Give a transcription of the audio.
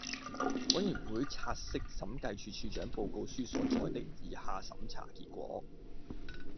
委員會察悉審計署署長報告書所載的以下審查結果